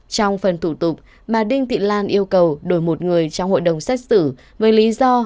trong phần thủ tục bà đinh thị lan yêu cầu đổi một người trong hội đồng xét xử với lý do